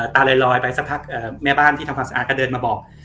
ตาลอยไปสักพักแม่บ้านที่ทำความสะอาดก็เดินมาบอก